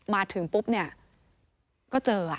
มาถึงปุ๊บเนี่ยก็เจอ